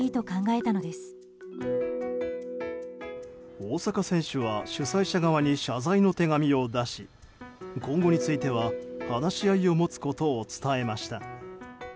大坂選手は主催者側に謝罪の手紙を出し今後については話し合いを持つことを伝えました。